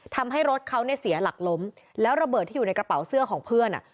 ทำให้รถเขาเนี่ยเสียหลักล้มแล้วระเบิดที่อยู่ในกระเป๋าเสื้อของเพื่อนอ่ะ